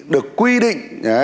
được quy định